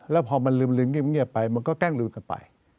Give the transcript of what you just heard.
แล้วพอมันลืมเงียบไปมันก็แกล้งลืมกันไป